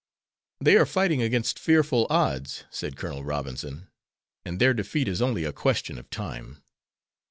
'" "They are fighting against fearful odds," said Colonel Robinson, "and their defeat is only a question of time."